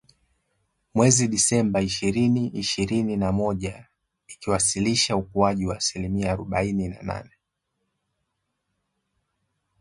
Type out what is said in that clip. mwezi Disemba ishirini ishirini na moja ikiwasilisha ukuaji wa asilimia arobaini nne